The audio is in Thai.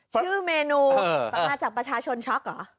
ชื่อเมนูมาจากประชาชนช็อกเหรอ